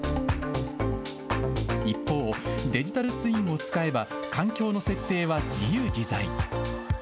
一方、デジタルツインを使えば、環境の設定は自由自在。